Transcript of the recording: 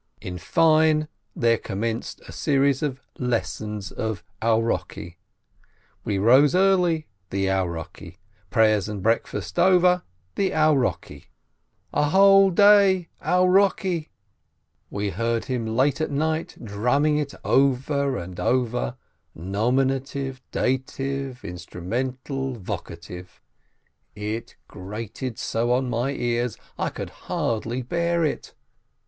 In fine, there commenced a series of "lessons," of ourokki. We rose early — the ourokki ! Prayers and breakfast over — the ourokki. A whole day — ourokki. 168 SHOLOM ALECHEM One heard him late at night drumming it over and over : Nominative — dative — instrumental — vocative ! It grated so on my ears! I could hardly bear it.